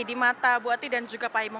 di mata bu ati dan juga pak imam